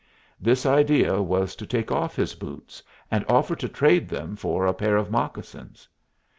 This idea was to take off his boots, and offer to trade them for a pair of moccasins.